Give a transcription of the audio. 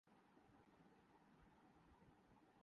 قوم کا کیا حال ہے۔